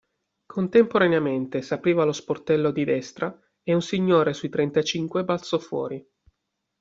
Contemporaneamente s'apriva lo sportello di destra e un signore sui trentacinque balzò fuori.